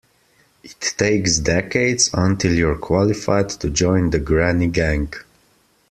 It takes decades until you're qualified to join the granny gang.